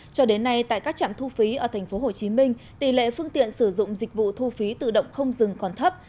cho đến nay tại các trạm thu phí ở tp hcm tỷ lệ phương tiện sử dụng dịch vụ thu phí tự động không dừng còn thấp